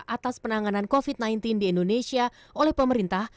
atas penanganan covid sembilan belas di indonesia oleh pemerintah